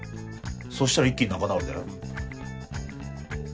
そしたら一気に仲直りだよ。